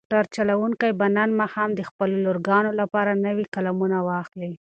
موټر چلونکی به نن ماښام د خپلو لورګانو لپاره نوې قلمونه واخلي.